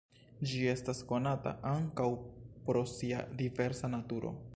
Ĝi estas konata ankaŭ pro sia diversa naturo.